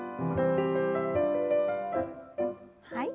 はい。